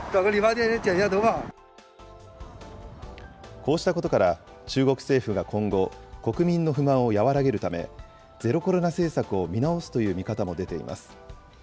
こうしたことから、中国政府が今後、国民の不満を和らげるため、ゼロコロナ政策を見直すという見方も出ています。